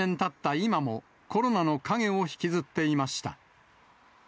今もコロナの影を引きずっていました。